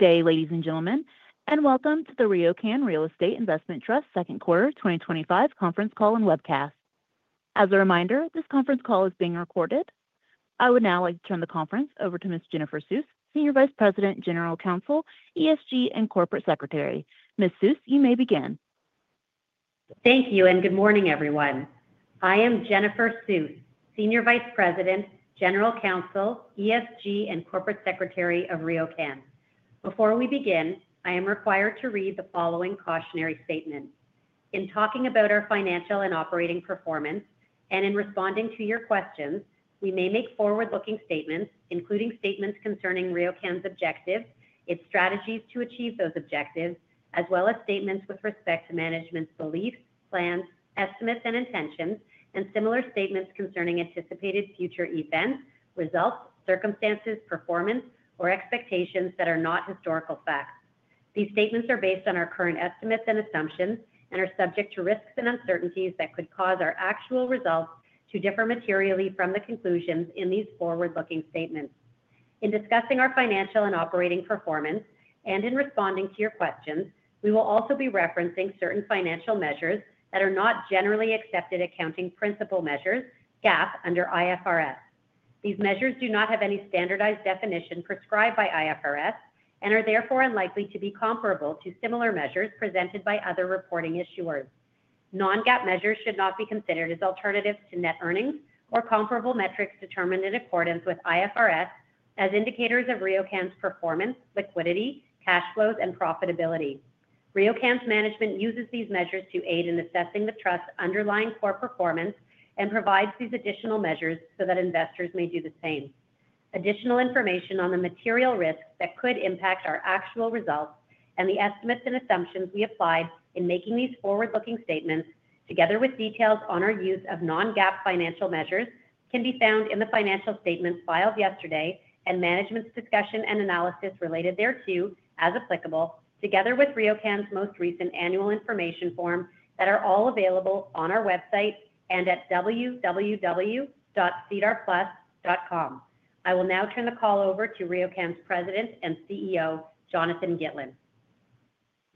Today, ladies and gentlemen, and welcome to the RioCan Real Estate Investment Trust Second Quarter 2025 Conference Call and Webcast. As a reminder, this conference call is being recorded. I would now like to turn the conference over to Ms. Jennifer Suess, Senior Vice President, General Counsel, ESG, and Corporate Secretary. Ms. Suess, you may begin. Thank you, and good morning, everyone. I am Jennifer Suess, Senior Vice President, General Counsel, ESG, and Corporate Secretary of RioCan. Before we begin, I am required to read the following cautionary statement. In talking about our financial and operating performance, and in responding to your questions, we may make forward-looking statements, including statements concerning RioCan's objectives, its strategies to achieve those objectives, as well as statements with respect to management's beliefs, plans, estimates, and intentions, and similar statements concerning anticipated future events, results, circumstances, performance, or expectations that are not historical facts. These statements are based on our current estimates and assumptions and are subject to risks and uncertainties that could cause our actual results to differ materially from the conclusions in these forward-looking statements. In discussing our financial and operating performance, and in responding to your questions, we will also be referencing certain financial measures that are not generally accepted accounting principle measures, GAAP, under IFRS. These measures do not have any standardized definition prescribed by IFRS and are therefore unlikely to be comparable to similar measures presented by other reporting issuers. Non-GAAP measures should not be considered as alternatives to net earnings or comparable metrics determined in accordance with IFRS as indicators of RioCan's performance, liquidity, cash flows, and profitability. RioCan's management uses these measures to aid in assessing the trust's underlying performance and provides these additional measures so that investors may do the same. Additional information on the material risks that could impact our actual results and the estimates and assumptions we applied in making these forward-looking statements, together with details on our use of non-GAAP financial measures, can be found in the financial statements filed yesterday and management's discussion and analysis related thereto as applicable, together with RioCan's most recent annual information forms that are all available on our website and at www.cedarplus.com. I will now turn the call over to RioCan's President and CEO, Jonathan Gitlin.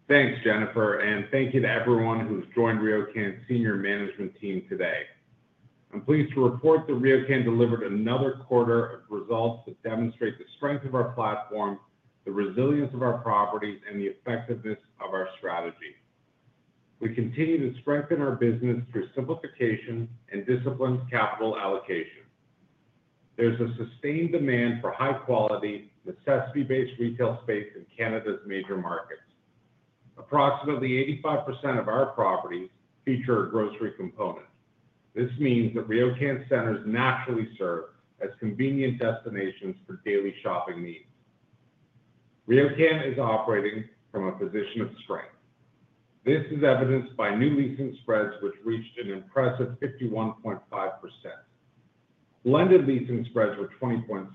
Thanks, Jennifer, and thank you to everyone who's joined RioCan's Senior Management Team today. I'm pleased to report that RioCan delivered another quarter of results that demonstrate the strength of our platform, the resilience of our properties, and the effectiveness of our strategy. We continue to strengthen our business through simplification and disciplined capital allocation. There's a sustained demand for high-quality, necessity-based retail space in Canada's major markets. Approximately 85% of our properties feature a grocery component. This means that RioCan centers naturally serve as convenient destinations for daily shopping needs. RioCan is operating from a position of strength. This is evidenced by new leasing spreads, which reached an impressive 51.5%. Blended leasing spreads were 20.6%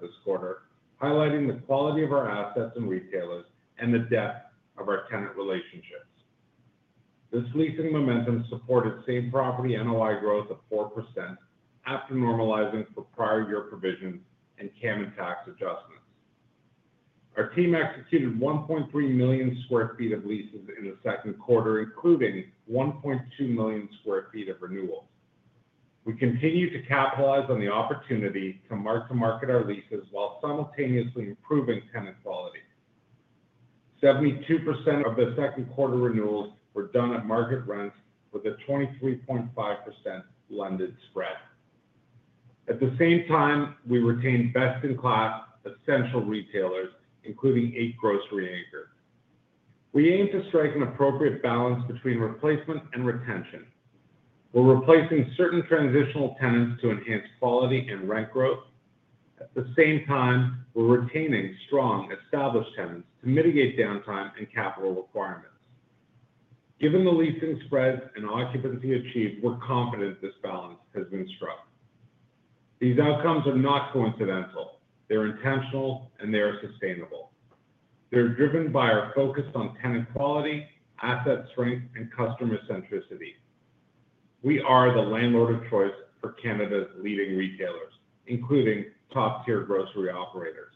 this quarter, highlighting the quality of our assets and retailers and the depth of our tenant relationships. This leasing momentum supported same-property NOI growth of 4% after normalizing for prior year provisions and CAM and tax adjustments. Our team executed 1.3 million square feet of leases in the second quarter, including 1.2 million square feet of renewal. We continue to capitalize on the opportunity to mark the market our leases while simultaneously improving tenant quality. 72% of the second quarter renewals were done at market rents with a 23.5% blended spread. At the same time, we retained best-in-class essential retailers, including eight grocery anchors. We aim to strike an appropriate balance between replacement and retention. We're replacing certain transitional tenants to enhance quality and rent growth. At the same time, we're retaining strong, established tenants to mitigate downtime and capital requirements. Given the leasing spread and occupancy achieved, we're confident this balance has been struck. These outcomes are not coincidental; they're intentional, and they are sustainable. They're driven by our focus on tenant quality, asset strength, and customer centricity. We are the landlord of choice for Canada's leading retailers, including top-tier grocery operators.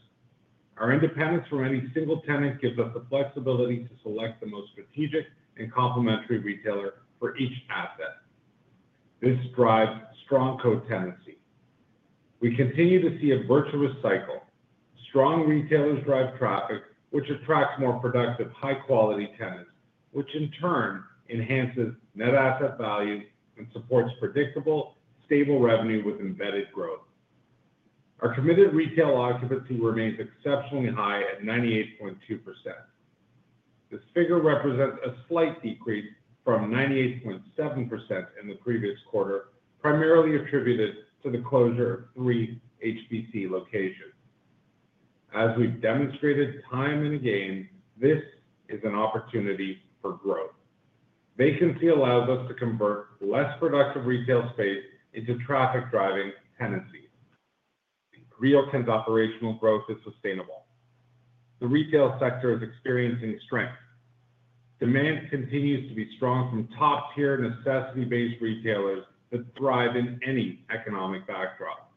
Our independence from any single tenant gives us the flexibility to select the most strategic and complementary retailer for each asset. This drives strong cotenancy. We continue to see a virtuous cycle. Strong retailers drive traffic, which attracts more productive, high-quality tenants, which in turn enhances net asset value and supports predictable, stable revenue with embedded growth. Our committed retail occupancy remains exceptionally high at 98.2%. This figure represents a slight decrease from 98.7% in the previous quarter, primarily attributed to the closure of three HBC locations. As we've demonstrated time and again, this is an opportunity for growth. Vacancy allows us to convert less productive retail space into traffic-driving tenancies. RioCan's operational growth is sustainable. The retail sector is experiencing strength. Demand continues to be strong from top-tier necessity-based retailers that thrive in any economic backdrop.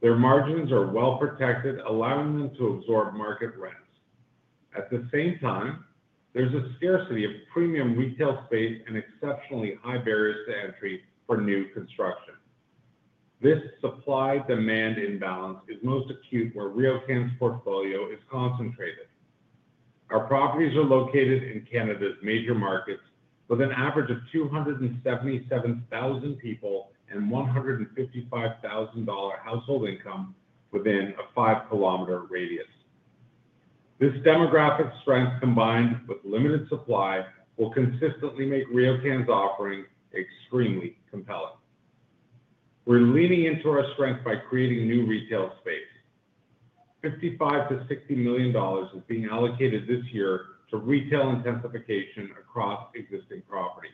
Their margins are well protected, allowing them to absorb market rents. At the same time, there's a scarcity of premium retail space and exceptionally high barriers to entry for new construction. This supply-demand imbalance is most acute where RioCan's portfolio is concentrated. Our properties are located in Canada's major markets, with an average of 277,000 people and 155,000 dollar household income within a five-kilometer radius. This demographic strength, combined with limited supply, will consistently make RioCan's offering extremely compelling. We're leaning into our strength by creating new retail space. 55 million-60 million dollars is being allocated this year to retail intensification across existing properties.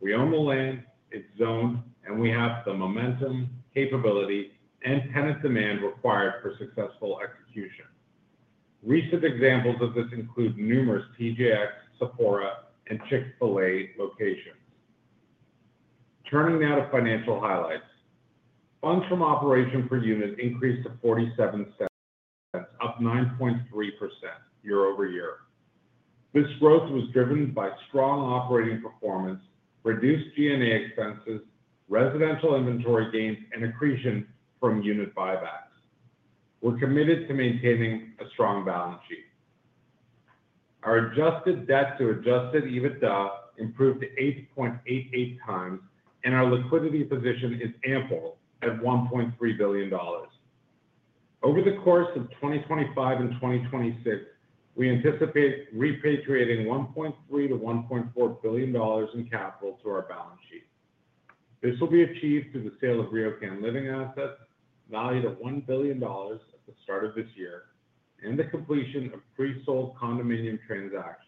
We own the land, it's zoned, and we have the momentum, capability, and tenant demand required for successful execution. Recent examples of this include numerous TJX, Sephora, and Chick-fil-A locations. Turning now to financial highlights. Funds from operations per unit increased to 0.47, up 9.3% year-over-year. This growth was driven by strong operating performance, reduced G&A expenses, residential inventory gains, and accretion from unit buybacks. We're committed to maintaining a strong balance sheet. Our adjusted debt to adjusted EBITDA improved to 8.88x, and our liquidity position is ample at 1.3 billion dollars. Over the course of 2025 and 2026, we anticipate repatriating 1.3 billion-1.4 billion dollars in capital to our balance sheet. This will be achieved through the sale of RioCan Living assets, valued at 1 billion dollars at the start of this year, and the completion of pre-sold condominium transactions.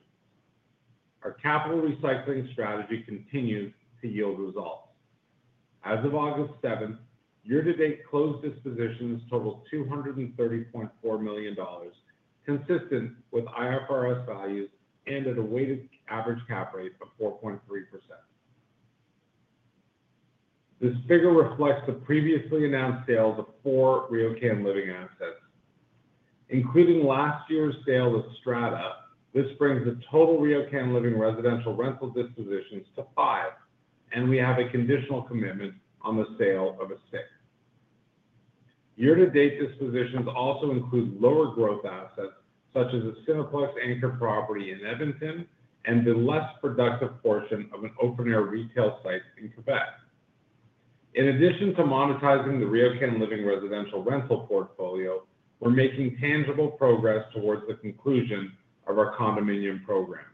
Our capital recycling strategy continues to yield results. As of August 7th, year-to-date closed dispositions total 230.4 million dollars, consistent with IFRS values and at a weighted average cap rate of 4.3%. This figure reflects the previously announced sale of the core RioCan Living assets. Including last year's sale of Strata, this brings the total RioCan Living residential rental dispositions to five, and we have a conditional commitment on the sale of a sixth. Year-to-date dispositions also include lower growth assets such as a Cineplex anchor property in Edmonton and the less productive portion of an open-air retail site in Quebec. In addition to monetizing the RioCan Living residential rental portfolio, we're making tangible progress towards the conclusion of our condominium program.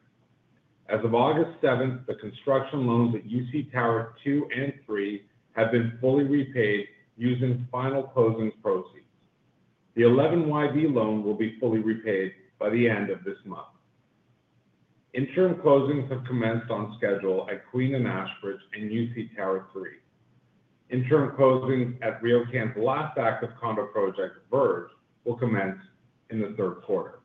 As of August 7th, the construction loans at U.C Towers 2 and 3 have been fully repaid using final closings proceeds. The 11 YB loan will be fully repaid by the end of this month. Insurance closings have commenced on schedule at Queen and Ashbridge and U.C Tower 3. Insurance closings at RioCan's last active condo project, Verge, will commence in the third quarter.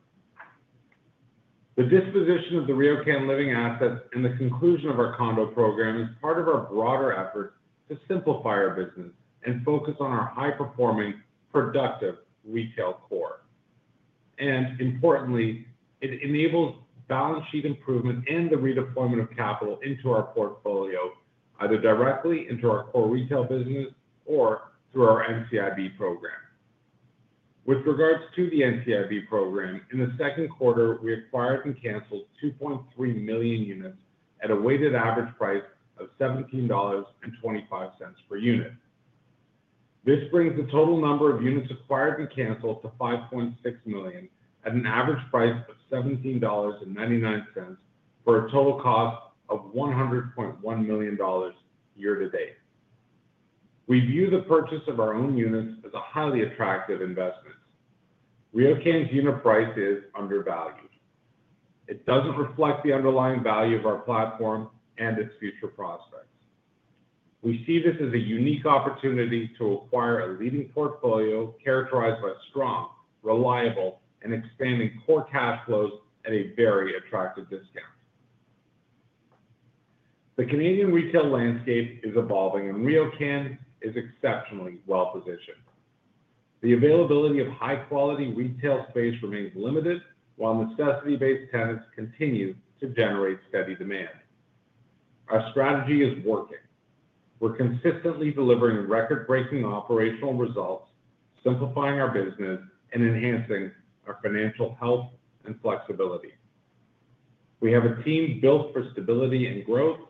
The disposition of the RioCan Living assets and the conclusion of our condo program is part of our broader efforts to simplify our business and focus on our high-performing, productive retail core. It enables balance sheet improvement and the redeployment of capital into our portfolio, either directly into our core retail business or through our NCIB program. With regards to the NCIB program, in the second quarter, we acquired and canceled 2.3 million units at a weighted average price of 17.25 dollars per unit. This brings the total number of units acquired and canceled to 5.6 million at an average price of 17.99 dollars for a total cost of 100.1 million dollars year to date. We view the purchase of our own units as a highly attractive investment. RioCan's unit price is undervalued. It doesn't reflect the underlying value of our platform and its future prospects. We see this as a unique opportunity to acquire a leading portfolio characterized by strong, reliable, and expanding core cash flows at a very attractive discount. The Canadian retail landscape is evolving, and RioCan is exceptionally well positioned. The availability of high-quality retail space remains limited, while necessity-based tenants continue to generate steady demand. Our strategy is working. We're consistently delivering record-breaking operational results, simplifying our business, and enhancing our financial health and flexibility. We have a team built for stability and growth,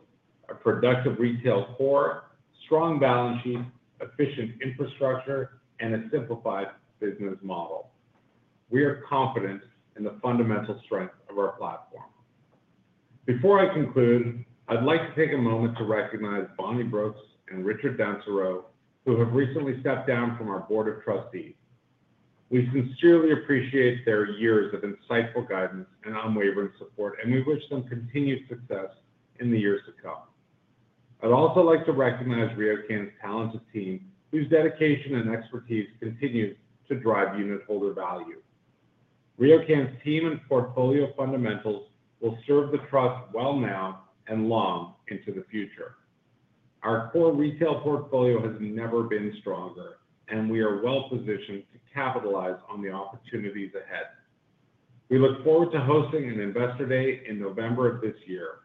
a productive retail core, strong balance sheet, efficient infrastructure, and a simplified business model. We are confident in the fundamental strength of our platform. Before I conclude, I'd like to take a moment to recognize Bonnie Brooks and Richard Dancero, who have recently stepped down from our Board of Trustees. We sincerely appreciate their years of insightful guidance and unwavering support, and we wish them continued success in the years to come. I'd also like to recognize RioCan's talented team, whose dedication and expertise continue to drive unitholder value. RioCan's team and portfolio fundamentals will serve the Trust well now and long into the future. Our core retail portfolio has never been stronger, and we are well positioned to capitalize on the opportunities ahead. We look forward to hosting an Investor Day in November of this year.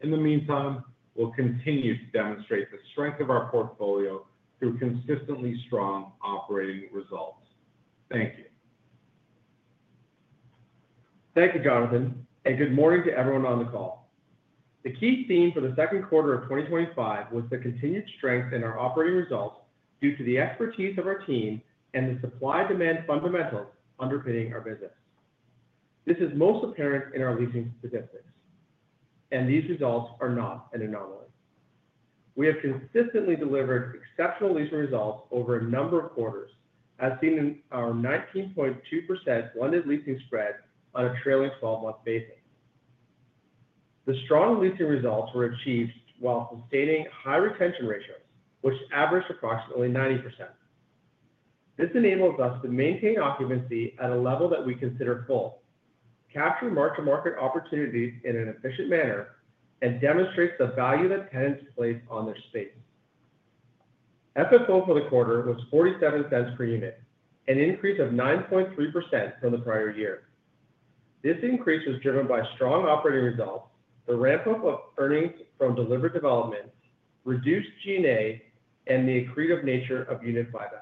In the meantime, we'll continue to demonstrate the strength of our portfolio through consistently strong operating results. Thank you. Thank you, Jonathan, and good morning to everyone on the call. The key theme for the second quarter of 2025 was the continued strength in our operating results due to the expertise of our team and the supply-demand fundamentals underpinning our business. This is most apparent in our leasing statistics, and these results are not an anomaly. We have consistently delivered exceptional leasing results over a number of quarters, as seen in our 19.2% blended leasing spread on a trailing 12-month basis. The strong leasing results were achieved while sustaining high retention ratios, which averaged approximately 90%. This enables us to maintain occupancy at a level that we consider full, capturing market opportunities in an efficient manner, and demonstrates the value that tenants place on their space. FFO for the quarter was 0.47 per unit, an increase of 9.3% from the prior year. This increase was driven by strong operating results, the ramp-up of earnings from delivered development, reduced G&A, and the accretive nature of unit buybacks.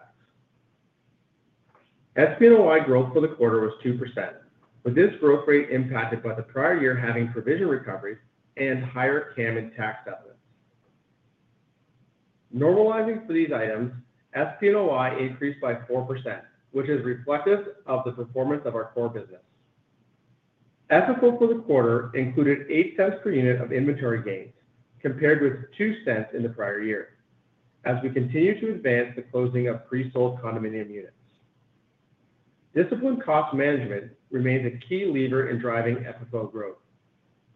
Same-property NOI growth for the quarter was 2%, with this growth rate impacted by the prior year having provision recovery and higher CAM and tax dollars. Normalizing for these items, same-property NOI increased by 4%, which is reflective of the performance of our core business. FFO for the quarter included 0.08 per unit of residential inventory gains, compared with 0.02 in the prior year, as we continue to advance the closing of pre-sold condominium units. Disciplined cost management remains a key lever in driving FFO growth.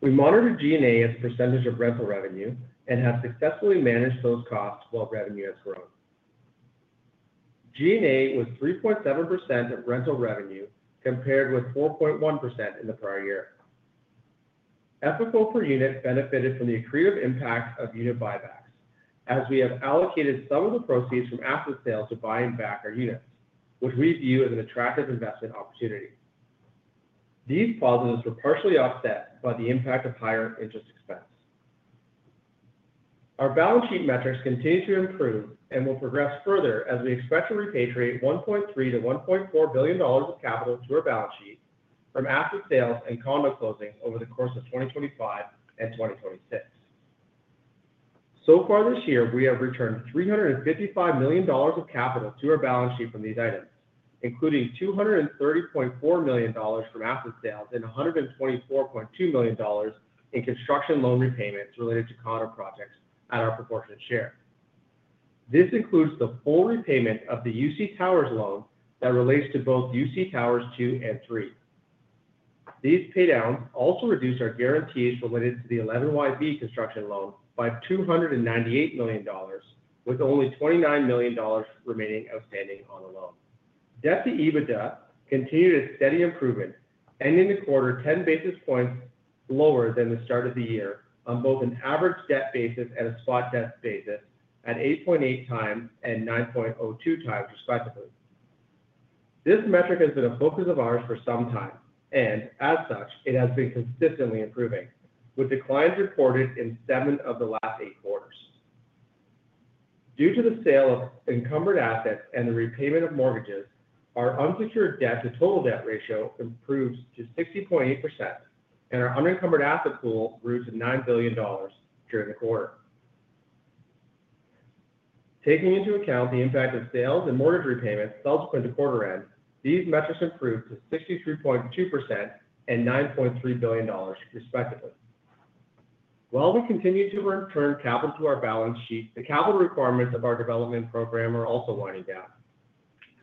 We monitor G&A as a percentage of rental revenue and have successfully managed those costs while revenue has grown. G&A was 3.7% of rental revenue, compared with 4.1% in the prior year. FFO per unit benefited from the accretive impact of unit buybacks, as we have allocated some of the proceeds from asset sales to buy back our units, which we view as an attractive investment opportunity. These positives were partially offset by the impact of higher interest expense. Our balance sheet metrics continue to improve and will progress further as we expect to repatriate 1.3 billion-1.4 billion dollars of capital to our balance sheet from asset sales and condo closings over the course of 2025 and 2026. So far this year, we have returned 355 million dollars of capital to our balance sheet from these items, including 230.4 million dollars from asset sales and 124.2 million dollars in construction loan repayments related to condo projects at our proportionate share. This includes the full repayment of the U.C Towers loan that relates to both U.C Towers 2 and 3. These paydowns also reduce our guarantees related to the 11 YB construction loan by 298 million dollars, with only 29 million dollars remaining outstanding on the loan. Debt to EBITDA continued a steady improvement, ending the quarter 10 basis points lower than the start of the year on both an average debt basis and a SWAT debt basis at 8.8x and 9.02x respectively. This metric has been a focus of ours for some time, and as such, it has been consistently improving, with declines reported in seven of the last eight quarters. Due to the sale of encumbered assets and the repayment of mortgages, our unsecured debt-to-total debt ratio improved to 60.8%, and our unencumbered asset pool reached 9 billion dollars during the quarter. Taking into account the impact of sales and mortgage repayments subsequent to quarter-end, these metrics improved to 63.2% and 9.3 billion dollars respectively. While we continue to return capital to our balance sheet, the capital requirements of our development program are also winding down.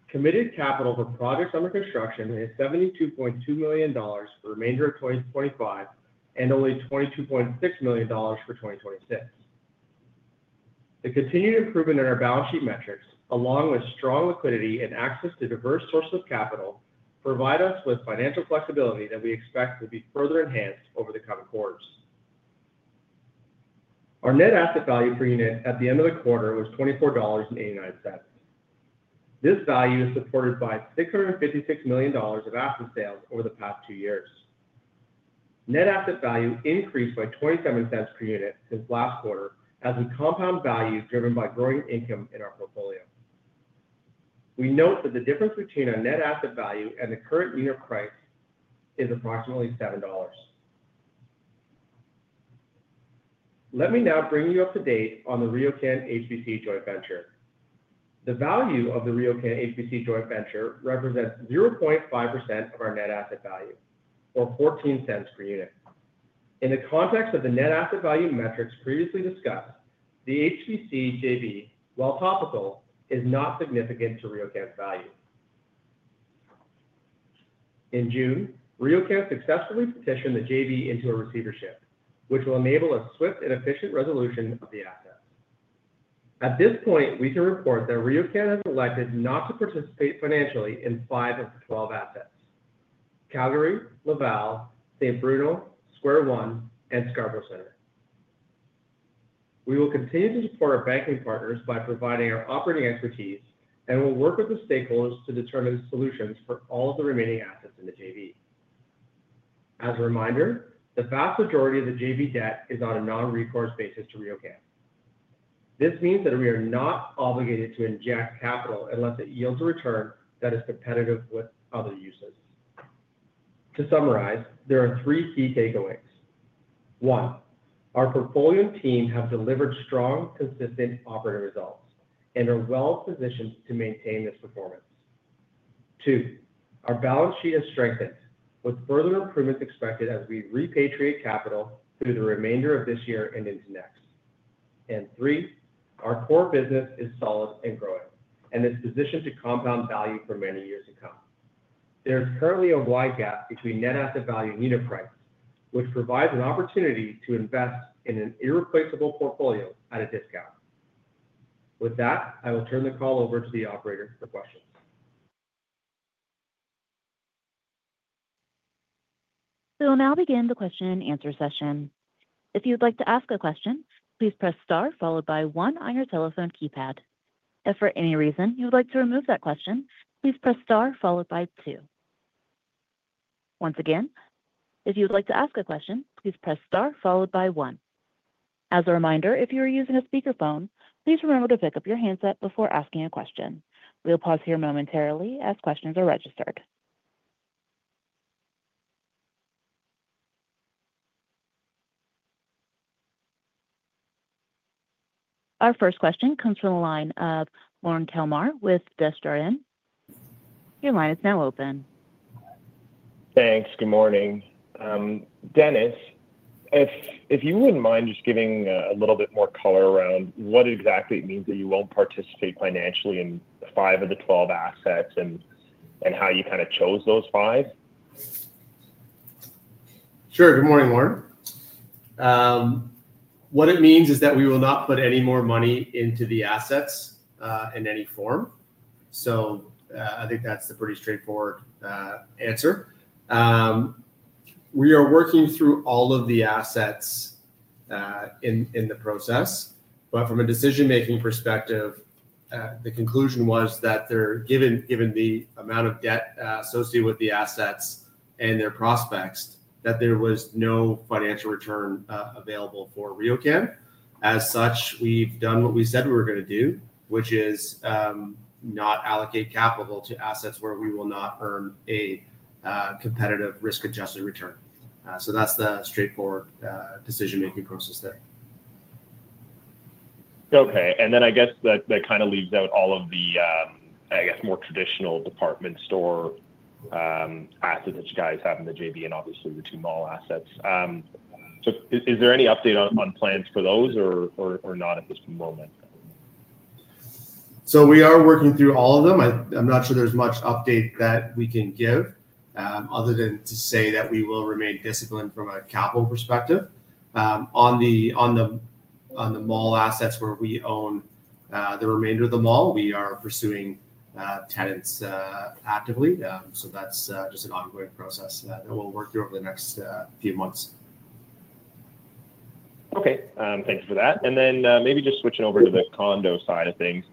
Committed capital for projects under construction is 72.2 million dollars for the remainder of 2025 and only 22.6 million dollars for 2026. The continued improvement in our balance sheet metrics, along with strong liquidity and access to diverse sources of capital, provide us with financial flexibility that we expect to be further enhanced over the coming quarters. Our net asset value per unit at the end of the quarter was 24.89 dollars. This value is supported by 656 million dollars of asset sales over the past two years. Net asset value increased by 0.27 per unit since last quarter, as a compound value driven by growing income in our portfolio. We note that the difference between our net asset value and the current unit price is approximately 7 dollars. Let me now bring you up to date on the RioCan HBC joint venture. The value of the RioCan HBC joint venture represents 0.5% of our net asset value, or 0.14 per unit. In the context of the net asset value metrics previously discussed, the HBC JV, while topical, is not significant to RioCan's value. In June, RioCan successfully petitioned the JV into a receivership, which will enable a swift and efficient resolution of the asset. At this point, we can report that RioCan has elected not to participate financially in five of the 12 assets: Calgary, Laval, San Bruno, Square One, and Scarborough Centre. We will continue to support our banking partners by providing our operating expertise and will work with the stakeholders to determine solutions for all of the remaining assets in the JV. As a reminder, the vast majority of the JV debt is on a non-recourse basis to RioCan. This means that we are not obligated to inject capital and let the yields return that are competitive with other uses. To summarize, there are three key takeaways. One, our portfolio and team have delivered strong, consistent operating results and are well positioned to maintain this performance. Two, our balance sheet has strengthened, with further improvements expected as we repatriate capital through the remainder of this year and into next. Three, our core business is solid and growing, and it's positioned to compound value for many years to come. There's currently a wide gap between net asset value and unit price, which provides an opportunity to invest in an irreplaceable portfolio at a discount. With that, I will turn the call over to the operators for questions. We will now begin the question and answer session. If you'd like to ask a question, please press star followed by one on your telephone keypad. If for any reason you would like to remove that question, please press star followed by two. Once again, if you would like to ask a question, please press star followed by one. As a reminder, if you are using a speakerphone, please remember to pick up your handset before asking a question. We'll pause here momentarily as questions are registered. Our first question comes from the line of Lorne Kalmar with Desjardins. Your line is now open. Thanks. Good morning. Dennis, if you wouldn't mind just giving a little bit more color around what exactly it means that you won't participate financially in five of the 12 assets, and how you kind of chose those five. Sure. Good morning, Lorne. What it means is that we will not put any more money into the assets in any form. I think that's the pretty straightforward answer. We are working through all of the assets in the process. From a decision-making perspective, the conclusion was that given the amount of debt associated with the assets and their prospects, there was no financial return available for RioCan. As such, we've done what we said we were going to do, which is not allocate capital to assets where we will not earn a competitive risk-adjusted return. That's the straightforward decision-making process there. Okay. I guess that kind of leaves out all of the more traditional department store assets that you guys have in the JV and obviously the two mall assets. Is there any update on plans for those or not at this moment? We are working through all of them. I'm not sure there's much update that we can give, other than to say that we will remain disciplined from a capital perspective. On the mall assets where we own the remainder of the mall, we are pursuing tenants actively. That's just an ongoing process that we'll work through over the next few months. Okay. Thank you for that. Maybe just switching over to the condo side of things.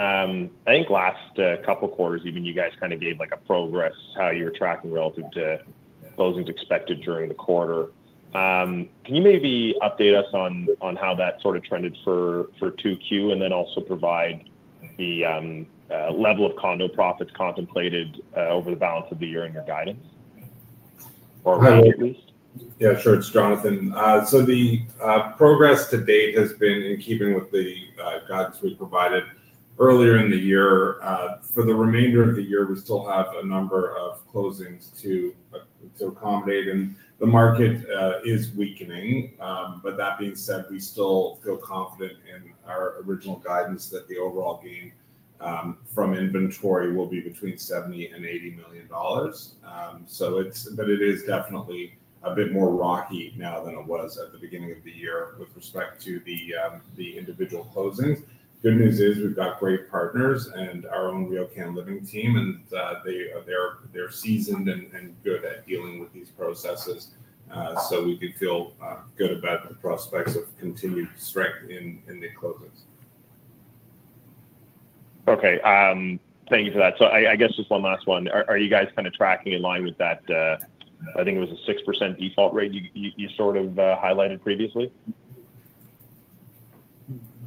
I think last couple of quarters, even you guys kind of gave like a progress to how you were tracking relative to closings expected during the quarter. Can you maybe update us on how that sort of trended for 2Q and then also provide the level of condo profits contemplated over the balance of the year in your guidance? Or at least. Yeah, sure. It's Jonathan. The progress to date has been in keeping with the guidance we provided earlier in the year. For the remainder of the year, we still have a number of closings to accommodate. The market is weakening. That being said, we still feel confident in our original guidance that the overall gain from inventory will be between 70 million-80 million dollars. It is definitely a bit more rocky now than it was at the beginning of the year with respect to the individual closings. Good news is we've got great partners and our own RioCan Living team, and they're seasoned and good at dealing with these processes. We feel good about the prospects of continued strength in the closings. Okay, thank you for that. I guess just one last one. Are you guys kind of tracking in line with that, I think it was a 6% default rate you sort of highlighted previously?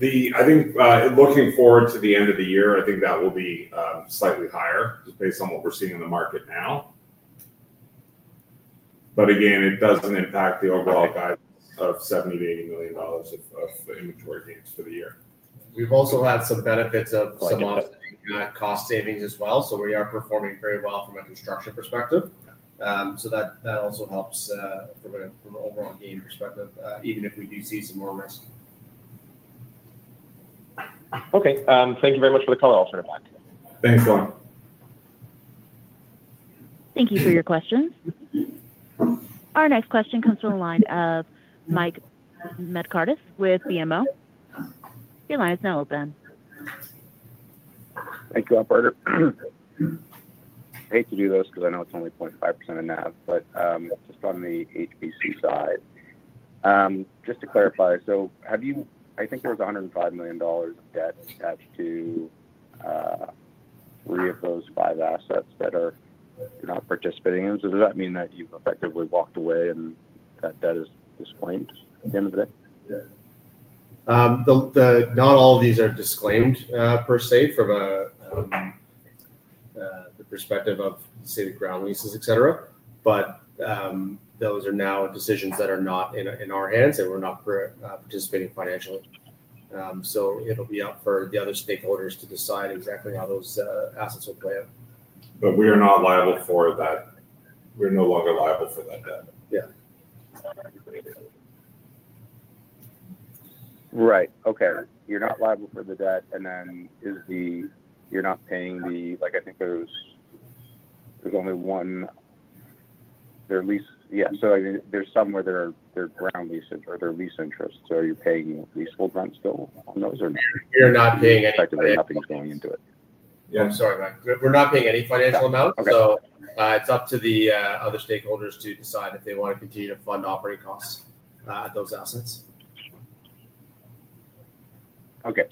I think looking forward to the end of the year, I think that will be slightly higher just based on what we're seeing in the market now. Again, it doesn't impact the overall effect of 70 million-80 million dollars of inventory gains for the year. We've also had some benefits of the cost savings as well. We are performing very well from a construction perspective. That also helps from an overall gain perspective, even if we do see some more risk. Okay, thank you very much for the call. I'll turn it back. Thanks, John. Thank you for your questions. Our next question comes from the line of Mike Markidis with BMO. Your line is now open. Thank you, operator. I hate to do this because I know it's only 0.5% in NAV, but just on the HBC side, just to clarify, so have you, I think there was 105 million dollars of debt attached to RioCan's five assets that you're not participating in. Does that mean that you've effectively walked away and that is at this point at the end of the day? Not all of these are disclaimed per se from the perspective of city ground leases, etc. Those are now decisions that are not in our hands, and we're not participating financially. It will be up for the other stakeholders to decide exactly how those assets are playing. We are not liable for that. We're no longer liable for that debt. Right. Okay. You're not liable for the debt, and then is the, you're not paying the, like I think there's only one, they're lease, yeah. There are some where they're ground leasing or they're lease interest. Are you paying leasehold rent still on those, or? We are not paying anything. Effectively, nothing's going into it. I'm sorry. We're not paying any financial amount. It's up to the other stakeholders to decide if they want to continue to fund operating costs at those assets. Okay.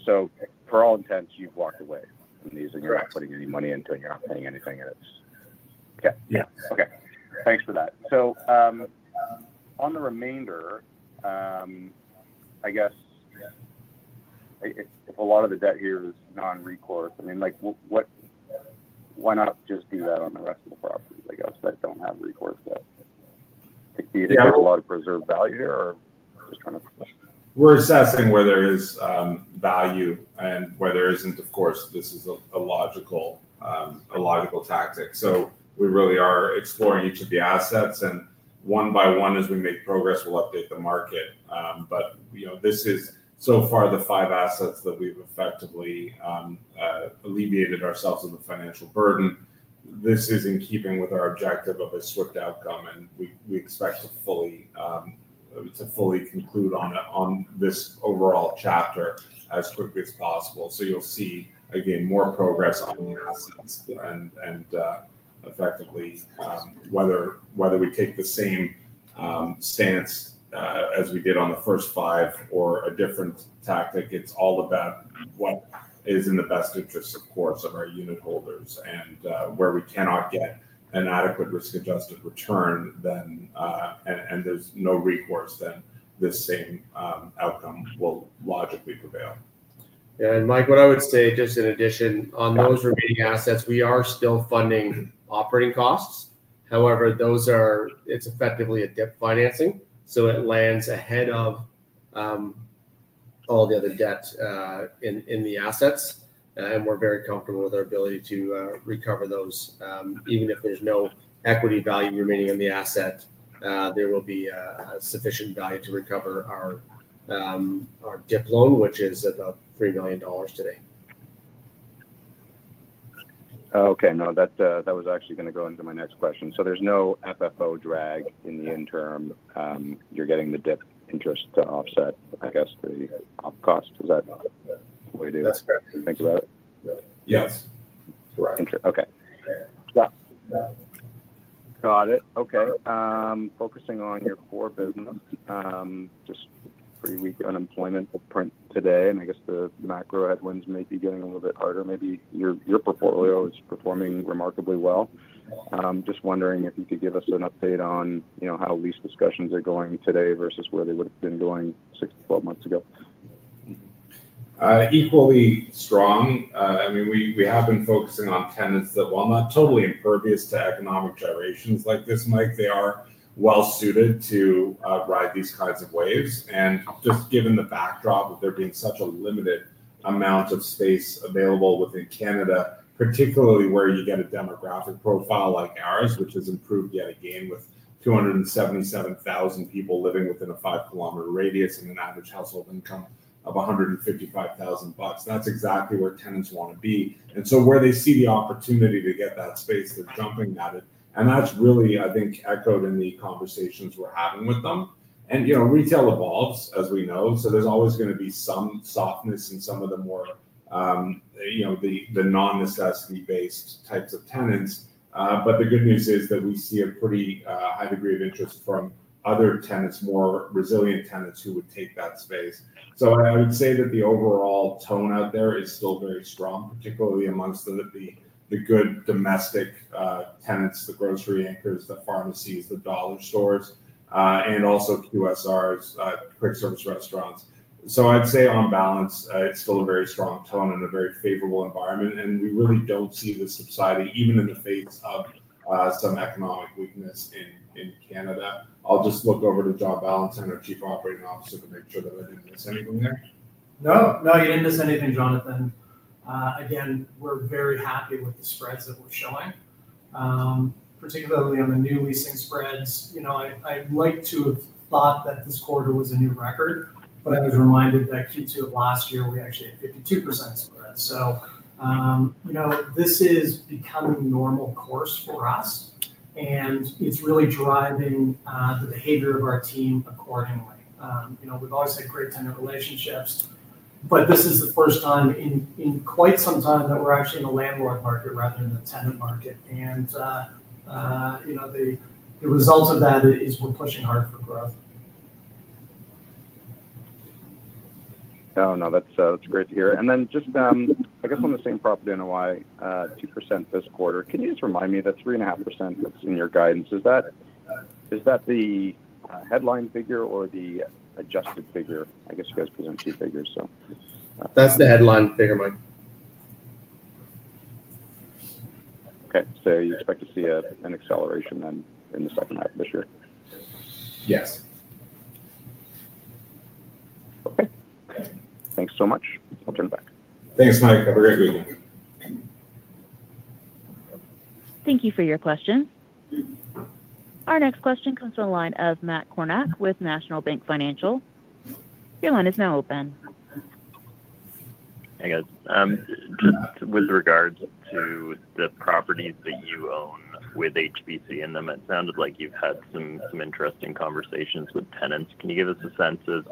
For all intents, you've walked away from these, you're not putting any money into them, and you're not paying any interest. Okay. Yeah. Okay. Thanks for that. On the remainder, I guess if a lot of the debt here is non-recourse, why not just do that on the rest of the property that doesn't have recourse debt? Do you think there's a lot of preserved value here, or? We're discussing where there is value and where there isn't. Of course, this is a logical tactic. We really are exploring each of the assets, and one by one, as we make progress, we'll update the market. This is so far the five assets that we've effectively alleviated ourselves of the financial burden. This is in keeping with our objective of a swift outcome, and we expect to fully conclude on this overall chapter as quickly as possible. You'll see, again, more progress on the assets and effectively whether we take the same stance as we did on the first five or a different tactic. It's all about what is in the best interest of our unit holders. Where we cannot get an adequate risk-adjusted return, and there's no recourse, this same outcome will logically prevail. Yeah. Mike, what I would say just in addition, on those remaining assets, we are still funding operating costs. However, it's effectively a DIP financing, so it lands ahead of all the other debt in the assets. We're very comfortable with our ability to recover those. Even if there's no equity value remaining in the asset, there will be sufficient value to recover our DIP loan, which is about 3 million dollars today. Okay. That was actually going to go into my next question. There's no FFO drag in the interim. You're getting the dip interest to offset, I guess, the op cost. Is that what you do? That's correct. Thanks for that. Yes. Right. Okay. Got it. Okay. Focusing on your core business, just pretty weak unemployment footprint today. I guess the macro headwinds may be getting a little bit harder. Maybe your portfolio is performing remarkably well. Just wondering if you could give us an update on how lease discussions are going today versus where they would have been going 6-12 months ago. Equally strong. We have been focusing on tenants that, while not totally impervious to economic generations like this, Mike, they are well suited to ride these kinds of waves. Given the backdrop of there being such a limited amount of space available within Canada, particularly where you get a demographic profile like ours, which has improved yet again with 277,000 people living within a five-kilometer radius and an average household income of 155,000 bucks. That's exactly where tenants want to be. Where they see the opportunity to get that space, they're jumping at it. That's really, I think, echoed in the conversations we're having with them. Retail evolves, as we know, so there's always going to be some softness in some of the more, you know, the non-necessity-based types of tenants. The good news is that we see a pretty high degree of interest from other tenants, more resilient tenants who would take that space. I would say that the overall tone out there is still very strong, particularly amongst the good domestic tenants, the grocery anchors, the pharmacies, the dollar stores, and also QSRs, quick service restaurants. I'd say on balance, it's still a very strong tone and a very favorable environment. We really don't see this subsiding, even in the face of some economic weakness in Canada. I'll just look over to John Ballantyne, Chief Operating Officer, so that I make sure that I didn't miss anything there. No, you didn't miss anything, Jonathan. Again, we're very happy with the spreads that we're showing, particularly on the new leasing spreads. I'd like to have thought that this quarter was a new record, but I was reminded that Q2 of last year, we actually had a 52% spread. This is becoming a normal course for us, and it's really driving the behavior of our team accordingly. We've always had great tenant relationships, but this is the first time in quite some time that we're actually in the landlord market rather than the tenant market. The result of that is we're pushing hard for growth. That's great to hear. Just on the same-property NOI, 2% this quarter. Can you remind me, that 3.5% that's in your guidance, is that the headline figure or the adjusted figure? I guess you guys present two figures. That's the headline figure, Mike. Okay. You expect to see an acceleration then in the second half of this year? Yes. Okay, thanks so much. I'll turn it back. Thanks, Mike. Have a great week. Thank you for your question. Our next question comes from the line of Matt Kornack with National Bank Financial. Your line is now open. Hi, guys. With regards to the properties that you own with HBC in them, it sounded like you've had some interesting conversations with tenants. Can you give us a sense of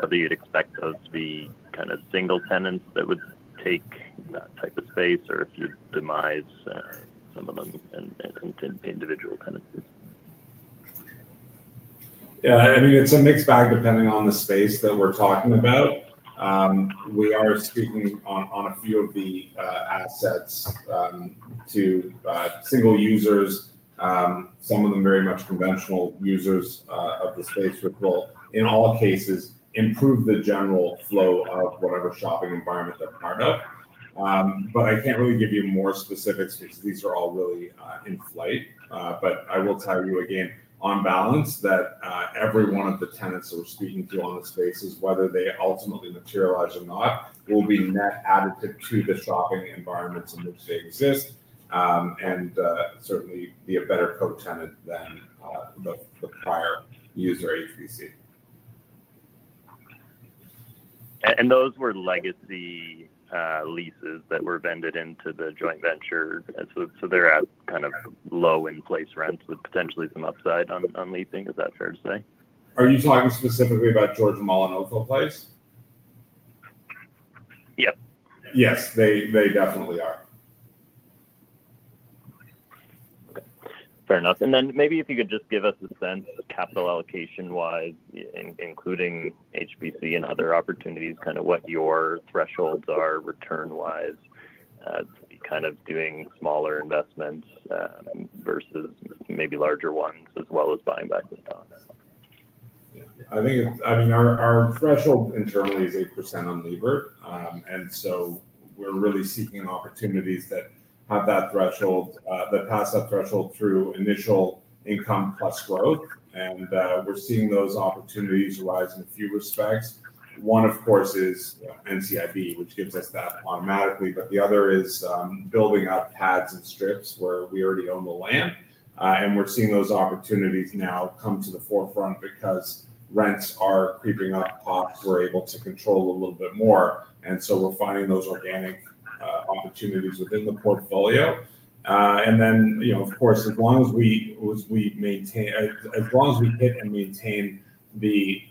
whether you'd expect those to be kind of single tenants that would take that type of space, or if you'd demise some of them into individual tenancies? Yeah, I mean, it's a mixed bag depending on the space that we're talking about. We are speaking on a few of the assets to single users, some of them very much conventional users of the space, which will in all cases improve the general flow of whatever shopping environment they're part of. I can't really give you more specifics because these are all really in flight. I will tell you again, on balance, that every one of the tenants that we're speaking to on this space, whether they ultimately materialize or not, will be net accretive to the shopping environments in which they exist and certainly be a better co-tenant than the prior user HBC. Those were legacy leases that were vended into the joint venture, so they're at kind of low in-place rents with potentially some upside on leasing. Is that fair to say? Are you talking specifically about towards the Mall in Novel Place? Yeah. Yes, they definitely are. Fair enough. Maybe if you could just give us a sense, capital allocation-wise, including HBC and other opportunities, what your thresholds are return-wise to be kind of doing smaller investments versus maybe larger ones as well as buying back the stocks. I think it's, I mean, our threshold internally is 8% on labor, and so we're really seeking opportunities that have that threshold, that pass that threshold through initial income plus growth. We're seeing those opportunities arise in a few respects. One, of course, is NCIB, which gives us that automatically. The other is building out pads and strips where we already own the land. We're seeing those opportunities now come to the forefront because rents are creeping up, costs we're able to control a little bit more. We're finding those organic opportunities within the portfolio. Of course, as long as we maintain, as long as we hit and maintain the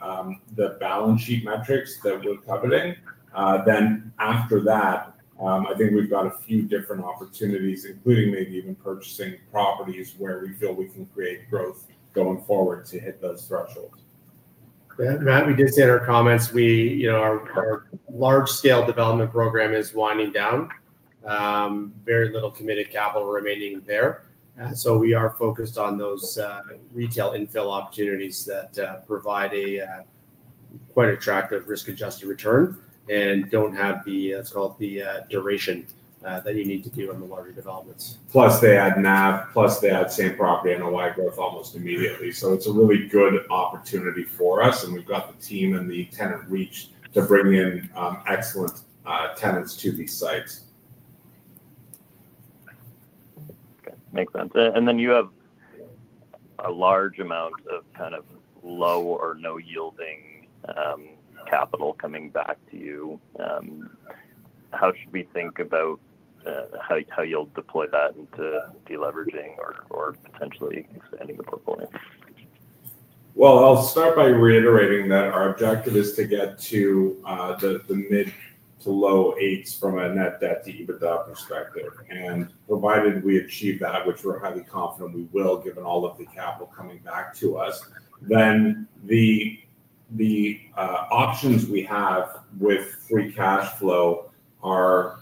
balance sheet metrics that we're pivoting, then after that, I think we've got a few different opportunities, including maybe even purchasing properties where we feel we can create growth going forward to hit those thresholds. Matt, we did say in our comments, our large-scale development program is winding down. Very little committed capital remaining there. We are focused on those retail infill opportunities that provide a quite attractive risk-adjusted return and don't have the, let's call it, the duration that you need to keep on the larger developments. Plus they add NAV, plus they add same-property NOI both almost immediately. It's a really good opportunity for us. We've got the team and the tenant reach to bring in excellent tenants to these sites. Makes sense. You have a large amount of kind of low or no-yielding capital coming back to you. How should we think about how you'll deploy that into deleveraging or potentially expanding the portfolio? I'll start by reiterating that our objective is to get to the mid to low eights from a net debt to EBITDA perspective. Provided we achieve that, which we're highly confident we will, given all of the capital coming back to us, the options we have with free cash flow are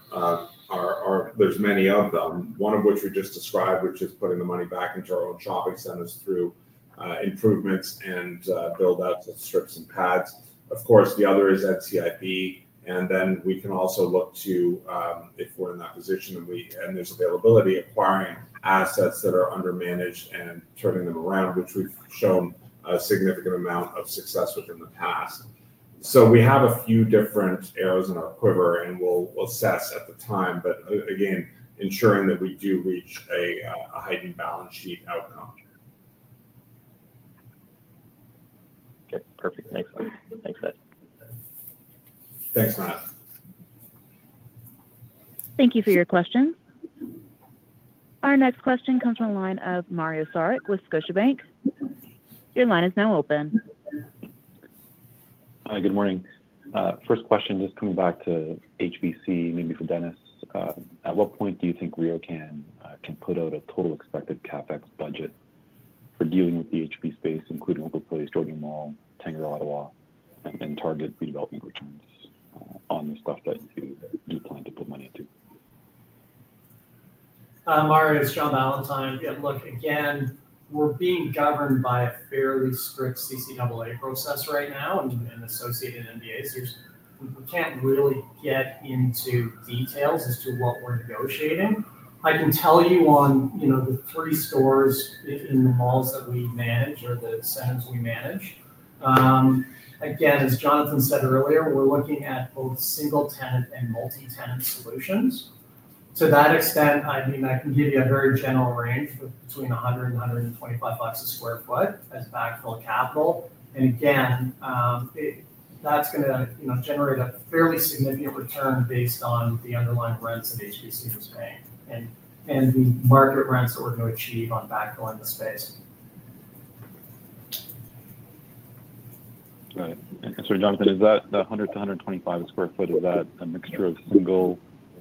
many. One of which we just described, which is putting the money back into our own shopping centers through improvements and build-outs of strips and pads. Of course, the other is NCIB. We can also look to, if we're in that position and we have this availability, acquiring assets that are undermanaged and turning them around, which we've shown a significant amount of success with in the past. We have a few different arrows in our quiver, and we'll assess at the time. Again, ensuring that we do reach a heightened balance sheet out and on. Okay. Perfect. Thanks, Mike. Thanks, Matt. Thank you for your question. Our next question comes from the line of Mario Saric with Scotiabank. Your line is now open. Hi, good morning. First question, just coming back to HBC, maybe for Dennis. At what point do you think RioCan can put out a total expected CapEx budget for dealing with the HBC space, including hopefully [Shopping] Mall, Tanger, Ottawa, and then target redevelopment returns on the stuff that you plan to put money into? My name is John Ballantyne. We're being governed by fairly strict CCWA process right now and associated NDAs. We can't really get into details as to what we're negotiating. I can tell you on the three stores in the malls that we manage or the centers we manage, as Jonathan said earlier, we're looking at both single-tenant and multi-tenant solutions. To that extent, I can give you a very general range between 100-125 a square foot as backfill capital. That's going to generate a fairly significant return based on the underlying rents that HBC is paying and the market rents that we're going to achieve on backfilling the space. Right. Jonathan, is that the 100-125 square foot, is that a mixture of single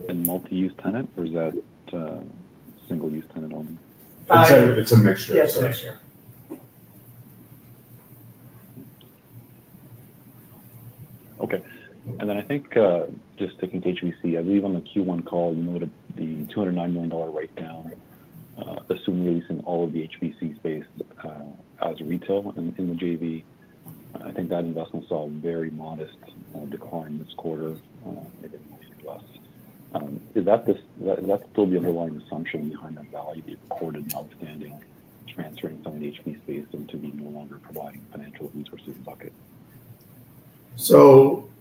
and multi-use tenants, or is that a single-use tenant only? It's a mixture. Yes, a mixture. Okay. I think, just sticking to HBC, I believe on the Q1 call, you noted the 209 million dollar write-down, assuming you're leasing all of the HBC space as a retail in the JV. I think that investment saw a very modest decline this quarter. They didn't really suggest. Is that still the underlying assumption behind the value that you've recorded now, withstanding transferring some of the HBC space to be no longer providing?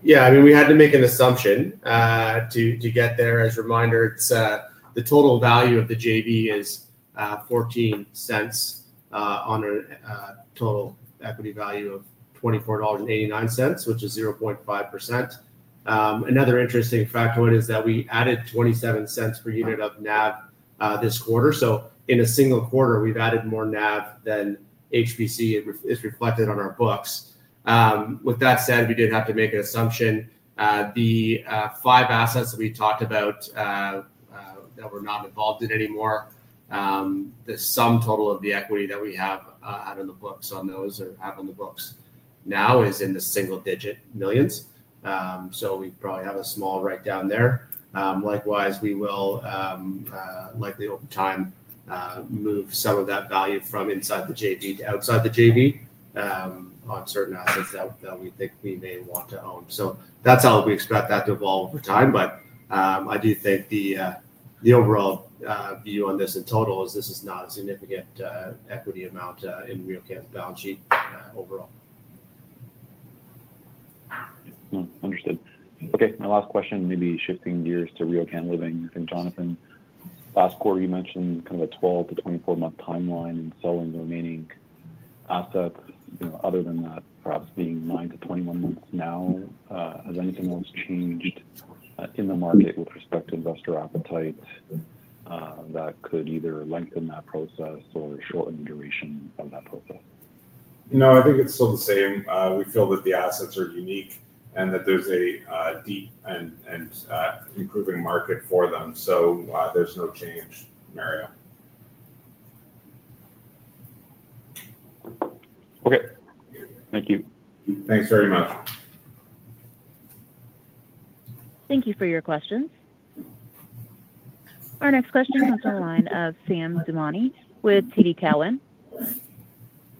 Yeah, I mean, we had to make an assumption to get there. As a reminder, it's the total value of the JV is 0.14 on a total equity value of CAD 44.89, which is 0.5%. Another interesting factor is that we added 0.27 per unit of NAV this quarter. In a single quarter, we've added more NAV than HBC is reflected on our books. With that said, we did have to make an assumption. The five assets that we talked about, that we're not involved in anymore, the sum total of the equity that we have out of the books on those or have on the books now is in the single-digit millions, so we probably have a small write-down there. Likewise, we will likely over time move some of that value from inside the JV to outside the JV on certain assets that we think we may want to own. That's how we expect that to evolve over time. I do think the overall view on this in total is this is not a significant equity amount in RioCan balance sheet overall. Understood. Okay. My last question, maybe shifting gears to RioCan Living. I think, Jonathan, last quarter, you mentioned kind of a 12-24 month timeline in selling the remaining assets. Other than that, perhaps being 9-21 months now, has anything else changed in the market with respect to investor appetite that could either lengthen that process or shorten the duration of that process? No, I think it's still the same. We feel that the assets are unique and that there's a deep and improving market for them. There's no change, Mario. Okay, thank you. Thanks very much. Thank you for your questions. Our next question comes from the line of Sam Damiani with TD Securities.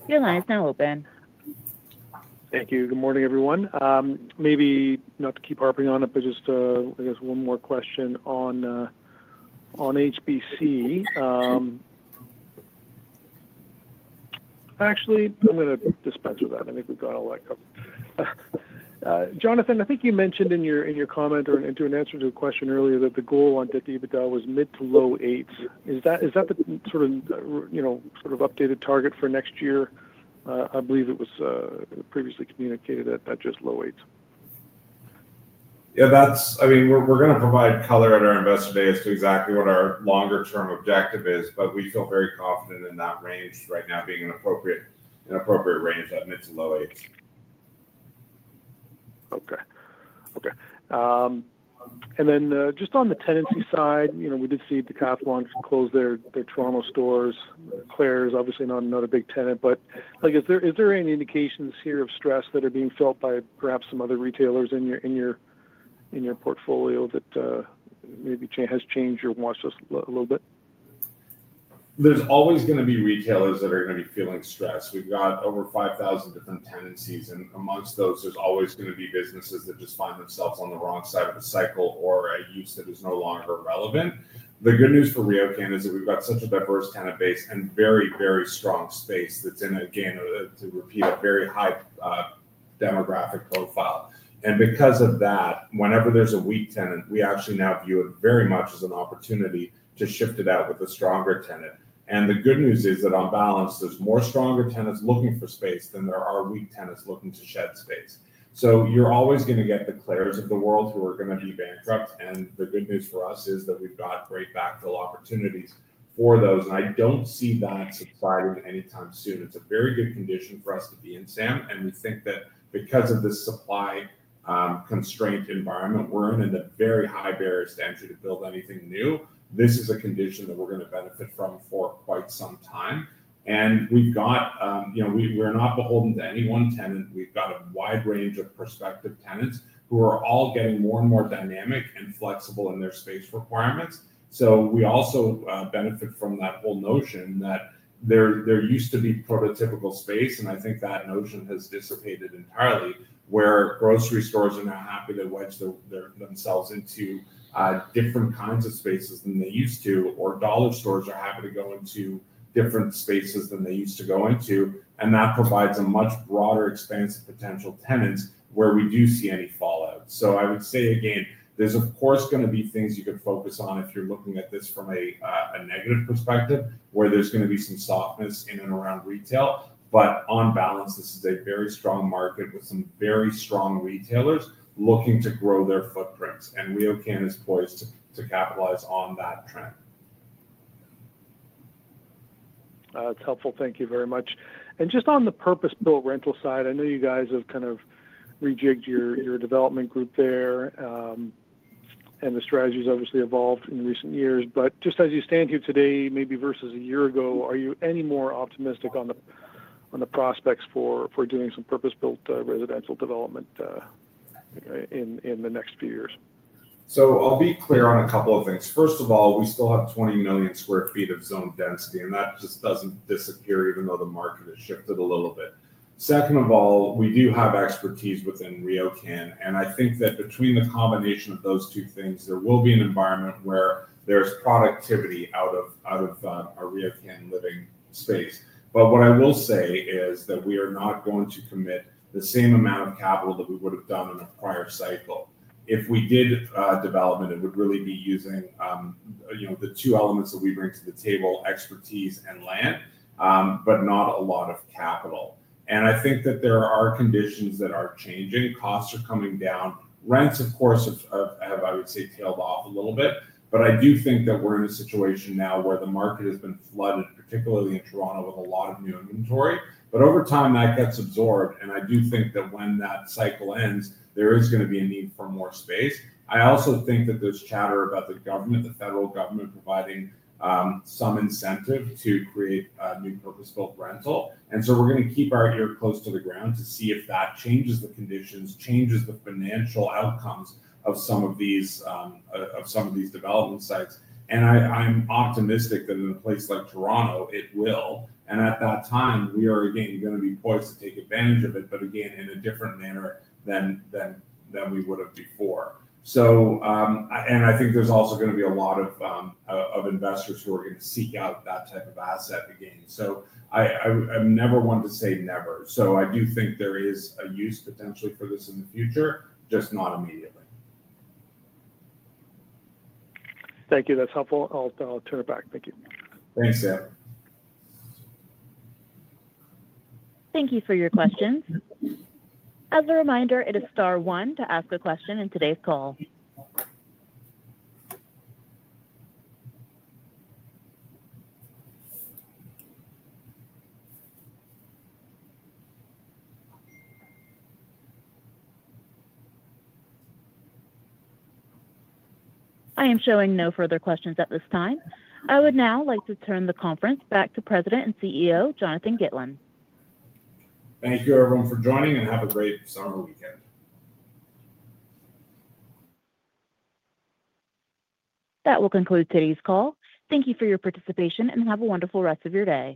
Your line is now open. Thank you. Good morning, everyone. I guess one more question on HBC. Actually, I'm going to dispense with that. I think we've got a lot covered. Jonathan, I think you mentioned in your comment or in an answer to a question earlier that the goal on debt to EBITDA was mid to low eights. Is that the sort of updated target for next year? I believe it was previously communicated that just low eights. Yeah, we're going to provide color to our investor base to exactly what our longer-term objective is, but we feel very confident in that range right now being an appropriate range of mid to low eights. Okay, and then just on the tenancy side, you know, we did see DeKalb wants to close their Toronto stores. Claire is obviously not a big tenant, but I guess is there any indications here of stress that are being felt by perhaps some other retailers in your portfolio that maybe has changed your watch list a little bit? There's always going to be retailers that are going to be feeling stressed. We've got over 5,000 different tenancies, and amongst those, there's always going to be businesses that just find themselves on the wrong side of the cycle or a use that is no longer relevant. The good news for RioCan is that we've got such a diverse tenant base and very, very strong space that's in, again, to repeat, a very high demographic profile. Because of that, whenever there's a weak tenant, we actually now view it very much as an opportunity to shift it out with a stronger tenant. The good news is that on balance, there's more stronger tenants looking for space than there are weak tenants looking to shed space. You're always going to get the Claire's of the world who are going to be bankrupt. The good news for us is that we've got great backfill opportunities for those. I don't see that supply run at any time soon. It's a very good condition for us to be in, Sam. We think that because of the supply constraint environment we're in and the very high barriers to entry to build anything new, this is a condition that we're going to benefit from for quite some time. We've got, you know, we're not beholden to any one tenant. We've got a wide range of prospective tenants who are all getting more and more dynamic and flexible in their space requirements. We also benefit from that whole notion that there used to be prototypical space, and I think that notion has dissipated entirely, where grocery stores are now happy to wedge themselves into different kinds of spaces than they used to, or dollar stores are happy to go into different spaces than they used to go into. That provides a much broader expanse of potential tenants where we do see any fallout. I would say, again, there's, of course, going to be things you could focus on if you're looking at this from a negative perspective, where there's going to be some softness in and around retail. On balance, this is a very strong market with some very strong retailers looking to grow their footprints. RioCan is poised to capitalize on that trend. That's helpful. Thank you very much. Just on the purpose-built rental side, I know you guys have kind of rejigged your development group there, and the strategy's obviously evolved in recent years. As you stand here today, maybe versus a year ago, are you any more optimistic on the prospects for doing some purpose-built residential development in the next few years? I'll be clear on a couple of things. First of all, we still have 20 million square feet of zoned density, and that just doesn't disappear even though the market has shifted a little bit. Second of all, we do have expertise within RioCan, and I think that between the combination of those two things, there will be an environment where there's productivity out of our RioCan Living space. What I will say is that we are not going to commit the same amount of capital that we would have done in a prior cycle. If we did development, it would really be using the two elements that we bring to the table: expertise and land, but not a lot of capital. I think that there are conditions that are changing. Costs are coming down. Rents, of course, have, I would say, tailed off a little bit. I do think that we're in a situation now where the market has been flooded, particularly in Toronto, with a lot of new inventory. Over time, that gets absorbed. I do think that when that cycle ends, there is going to be a need for more space. I also think that there's chatter about the federal government providing some incentive to create a new purpose-built rental. We're going to keep our ear close to the ground to see if that changes the conditions, changes the financial outcomes of some of these development sites. I'm optimistic that in a place like Toronto, it will. At that time, we are again going to be poised to take advantage of it, but again, in a different manner than we would have before. I think there's also going to be a lot of investors who are going to seek out that type of asset again. I'm never one to say never. I do think there is a use potential for this in the future, just not immediately. Thank you. That's helpful. I'll turn it back. Thank you. Thanks, yeah. Thank you for your questions. As a reminder, it is star one to ask a question in today's call. I am showing no further questions at this time. I would now like to turn the conference back to President and CEO Jonathan Gitlin. Thank you, everyone, for joining, and have a great summer weekend. That will conclude today's call. Thank you for your participation and have a wonderful rest of your day.